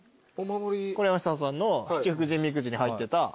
山下さんの七福神みくじに入ってた。